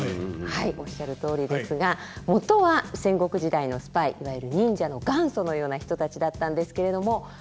はいおっしゃるとおりですがもとは戦国時代のスパイいわゆる忍者の元祖のような人たちだったんですけれども。